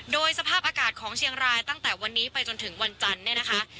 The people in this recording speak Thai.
โดยสภาพอากาศของเชียงรายตั้งแต่วันนี้ไปจนถึงวันจันทร์เนี่ยนะคะ